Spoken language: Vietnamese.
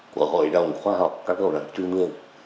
của hội đồng khoa học các hội đồng trung ương